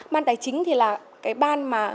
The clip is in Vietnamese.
ban tài chính thì là cái ban